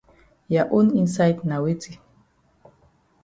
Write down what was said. Ya own inside na weti.